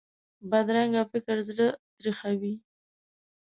بدرنګه فکر زړه تریخوي